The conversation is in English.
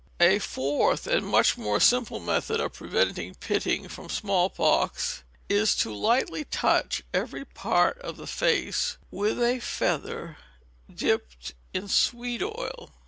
A fourth and much more simple method of preventing pitting from small pox is to lightly touch every part of the face with a feather dipped in sweet oil.